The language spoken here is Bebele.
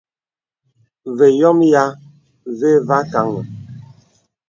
Və yɔmə yìā və và kāŋə.